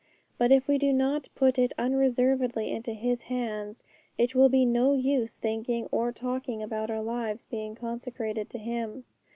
But if we do not put it unreservedly into His hands, it will be no use thinking or talking about our lives being consecrated to Him.